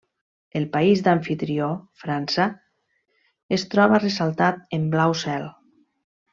El país d'amfitrió, França, es troba ressaltat en blau cel.